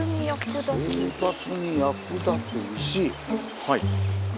はい。